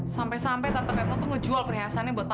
sampai sampai tante retno tuh ngejual perhiasannya buat papa